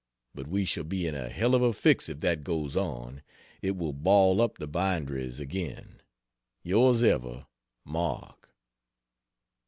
But we shall be in a hell of a fix if that goes on it will "ball up" the binderies again. Yrs ever MARK.